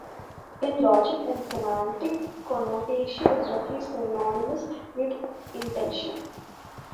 In logic and semantics, "connotation" is roughly synonymous with "intension".